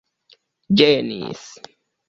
ĝenis